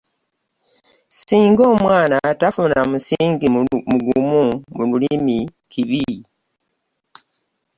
Ssinga omwana tafuna musingi mugumu mu lulimi kibi.